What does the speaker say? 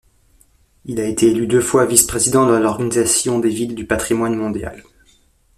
Il a été élu deux fois vice-président de l'Organisation des villes du patrimoine mondial.